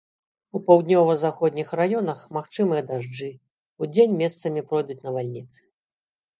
У паўднёва-заходніх раёнах магчымыя дажджы, удзень месцамі пройдуць навальніцы.